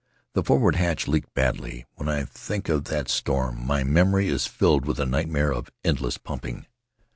The forward hatch leaked badly; when I think of that storm my memory is filled with a nightmare of endless pumping.